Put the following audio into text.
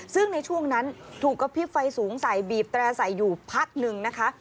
ซึ่งในช่วงนั้นถูกกระพริบไฟสูงใส่บีบแตร่ใส่อยู่พักหนึ่งนะคะ